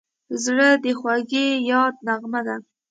زړه د خوږې یاد نغمه ده.